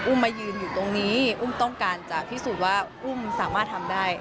มายืนอยู่ตรงนี้อุ้มต้องการจะพิสูจน์ว่าอุ้มสามารถทำได้